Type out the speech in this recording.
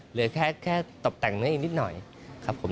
เหลือแค่ตบแต่งเนื้ออีกนิดหน่อยครับผม